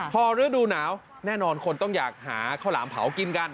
พอฤดูหนาวแน่นอนคนต้องอยากหาข้าวหลามเผากินกัน